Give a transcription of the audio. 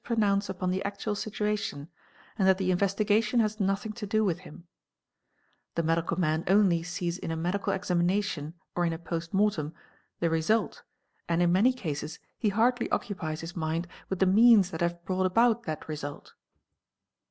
pronounce _ upon the actual situation and that the investigation has nothing to do x WwW ith him "86 ; the medical man only sees in a medical examination or in & post mortem, the result and, in many cases, he hardly occupies his mind with the means that have brought about that result. 158 THE EXPERT